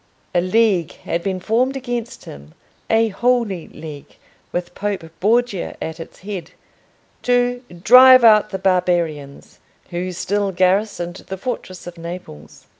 A league had been formed against him—a Holy League, with Pope Borgia at its head—to "drive out the barbarians," who still garrisoned the fortress of Naples.